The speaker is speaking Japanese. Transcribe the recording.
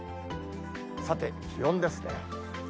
さて気温ですね。